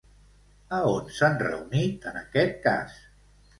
A on s'han reunit en aquest cas?